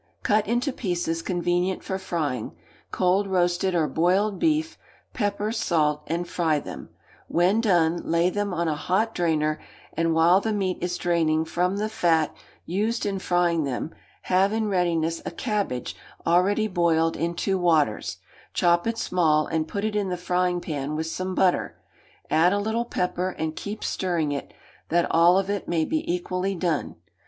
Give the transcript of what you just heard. Cut into pieces convenient for frying, cold roasted or boiled beef; pepper, salt, and fry them; when done, lay them on a hot drainer, and while the meat is draining from the fat used in frying them, have in readiness a cabbage already boiled in two waters; chop it small, and put it in the frying pan with some butter, add a little pepper and keep stirring it, that all of it may be equally done.